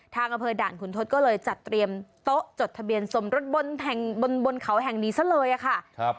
อำเภอด่านขุนทศก็เลยจัดเตรียมโต๊ะจดทะเบียนสมรสบนแห่งบนเขาแห่งนี้ซะเลยค่ะ